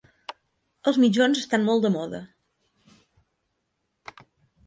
Els mitjons estan molt de moda.